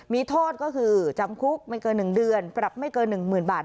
มีโทษก็คือจำคุกไม่เกิน๑เดือนปรับไม่เกิน๑๐๐๐บาท